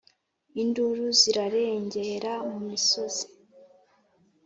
induru zirarengera mu misozi.